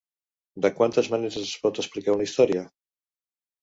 De quantes maneres es pot explicar una història?